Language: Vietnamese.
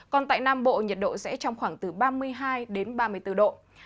còn tại nam bộ nhiệt độ sẽ trong khoảng từ ba mươi hai đến ba mươi bốn độ